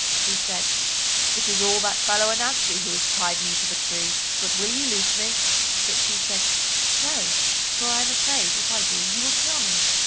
He said, "It is all that fellow Ananzi who has tied me to the tree, but will you loose me?" But she said, "No, for I am afraid, if I do, you will kill me."